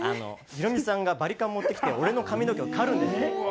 ヒロミさんがバリカン持ってきて俺の髪の毛を刈るんです。